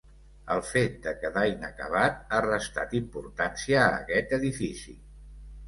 El fet de quedar inacabat ha restat importància a aquest edifici.